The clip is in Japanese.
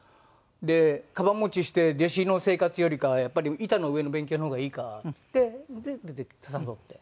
「かばん持ちして弟子の生活よりかはやっぱり板の上の勉強の方がいいか」っつって出てきた誘って。